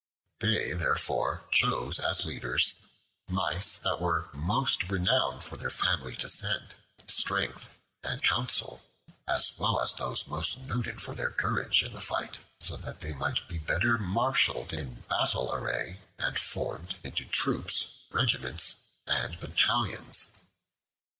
They therefore chose as leaders Mice that were most renowned for their family descent, strength, and counsel, as well as those most noted for their courage in the fight, so that they might be better marshaled in battle array and formed into troops, regiments, and battalions.